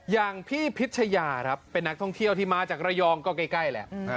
อย่างพี่พิชยาครับเป็นนักท่องเที่ยวที่มาจากระยองก็ใกล้แหละ